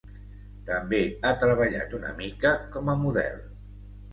També ha treballat una mica com a model.